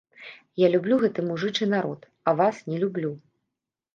Я люблю гэты мужычы народ, а вас не люблю.